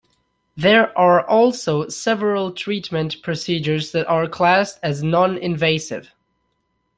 There are also several treatment procedures that are classed as non-invasive.